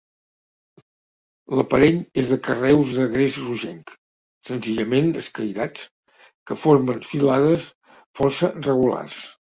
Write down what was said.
L'aparell és de carreus de gres rogenc, senzillament escairats, que formen filades força regulars.